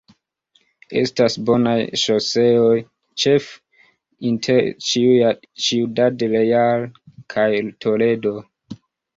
Estas bonaj ŝoseoj ĉefe inter Ciudad Real kaj Toledo.